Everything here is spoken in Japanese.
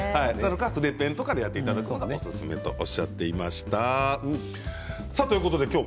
筆ペンとかでやっていただくのがおすすめということでした。